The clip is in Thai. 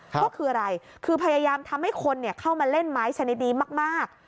ก็คืออะไรคือพยายามทำให้คนเข้ามาเล่นไม้ชนิดนี้มาก